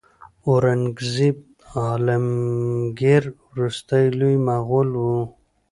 اورنګزیب عالمګیر وروستی لوی مغول و.